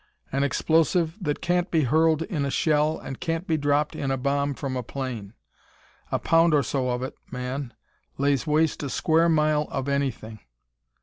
An explosive that can't be hurled in a shell and can't be dropped in a bomb from a plane. A pound or so of it, man, lays waste a square mile of anything!